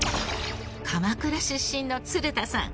鎌倉出身の鶴田さん